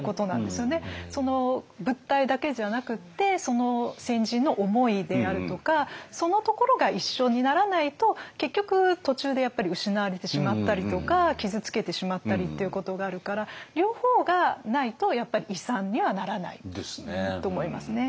その物体だけじゃなくてその先人の思いであるとかそのところが一緒にならないと結局途中でやっぱり失われてしまったりとか傷つけてしまったりっていうことがあるから両方がないとやっぱり遺産にはならないと思いますね。